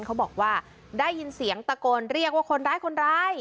เขาบอกว่าได้ยินเสียงตะโกนเรียกว่าคนร้ายคนร้าย